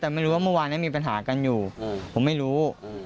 แต่ไม่รู้ว่าเมื่อวานนี้มีปัญหากันอยู่ผมไม่รู้